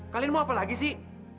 kalian mau apa lagi sih